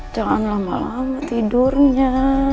jangan lama lama tidurnya